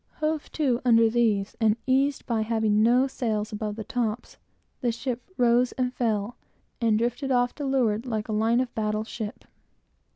Hove to under these, and eased by having no sail above the tops, the ship rose and fell, and drifted off to leeward like a line of battle ship.